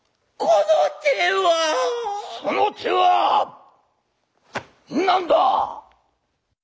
「その手は何だ！」。